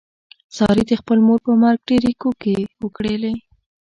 سارې د خپلې مور په مرګ ډېرې کوکې وکړلې.